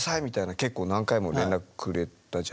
結構何回も連絡くれたじゃない。